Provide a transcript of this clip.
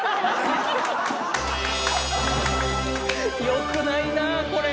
よくないなこれ。